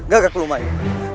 gak perlu mainkan